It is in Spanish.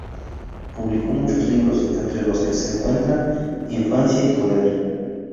Publicó muchos libros entre los que se encuentra "Infancia y poder.